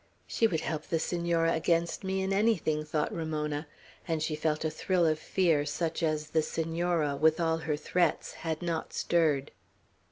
"She would help the Senora against me in anything," thought Ramona; and she felt a thrill of fear, such as the Senora with all her threats had not stirred.